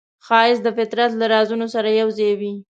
ښایست د فطرت له رازونو سره یوځای وي